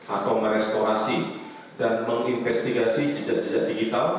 atau merestorasi dan menginvestigasi jejak jejak digital